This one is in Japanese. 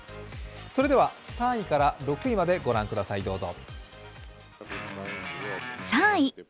それでは３位から６位までご覧ください、どうぞ。